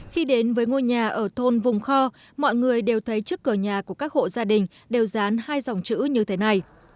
khi đến với ngôi nhà ở thôn vùng kho mọi người đều thấy trước cửa nhà của các hộ gia đình đều dán hai dòng chữ như thế này